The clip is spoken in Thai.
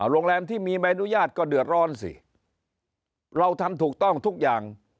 โรงแรมที่มีใบอนุญาตก็เดือดร้อนสิเราทำถูกต้องทุกอย่าง